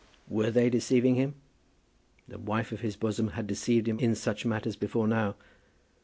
Were they deceiving him? The wife of his bosom had deceived him in such matters before now.